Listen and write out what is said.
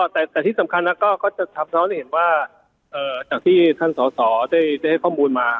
แต่ที่สำคัญก็จะทำท้อนให้เห็นว่าจากที่ท่านสอสอได้ให้ข้อมูลมา